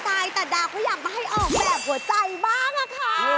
แต่ดาวเขาอยากมาให้ออกแบบหัวใจบ้างอะค่ะ